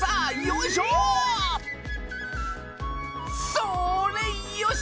それよし！